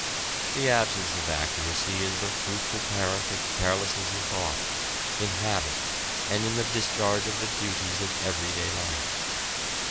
The absence of accuracy is the fruitful parent of carelessness in thought, in habit, and in the discharge of the duties of everyday life.